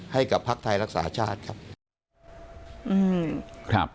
ให้กับภักษ์ไทยรักษาชาติครับ